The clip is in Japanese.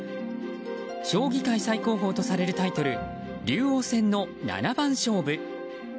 将棋界最高峰とされるタイトル竜王戦の七番勝負。